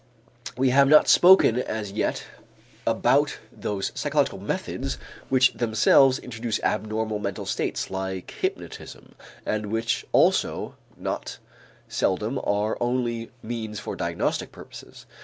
We have not spoken as yet about those psychological methods which themselves introduce abnormal mental states like hypnotism, and which also not seldom are only means for diagnostic purposes.